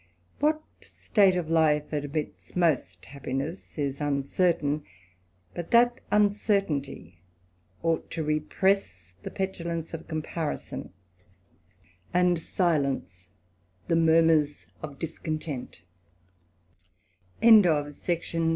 What state of life admits most happiness, is uncertain i but that uncertainty ought to repress the petulance rf comparison, and silence the murmurs of discontent Tuesday y December ii, 1753.